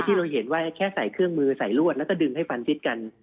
ที่เราเห็นว่าแค่ใส่เครื่องมือใส่รวดแล้วก็ดึงให้ฟันฟิตกัน